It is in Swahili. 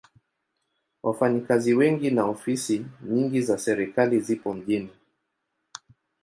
Wafanyakazi wengi na ofisi nyingi za serikali zipo mjini.